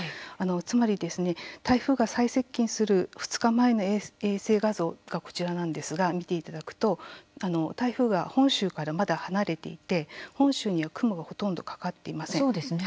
つまり台風が最接近する２日前の衛星画像がこちらなんですが見ていただくと台風が本州からまだ離れていて本州には雲がほとんどかかっていません。